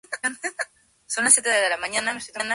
Lo armaron dentro de la sacristía y la pusieron en veneración.